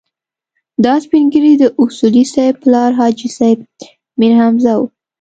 دا سپين ږيری د اصولي صیب پلار حاجي صیب میرحمزه و.